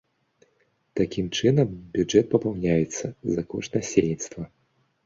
Такім чынам, бюджэт папаўняецца за кошт насельніцтва.